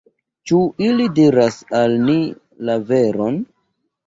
Ĉu ili diras al ni la veron?